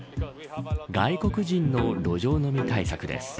外国人の路上飲み対策です。